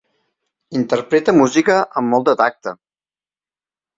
Interpreta música amb molt de tacte.